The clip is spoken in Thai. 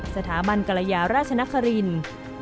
สถาบันกรยาราชนครินทร์